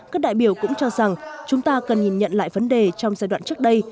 các đại biểu cũng cho rằng chúng ta cần nhìn nhận lại vấn đề trong giai đoạn trước đây